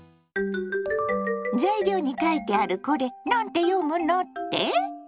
材料に書いてあるこれ何て読むのって？